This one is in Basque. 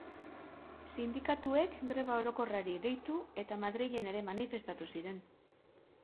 Sindikatuek greba orokorrari deitu eta Madrilen ere manifestatu ziren.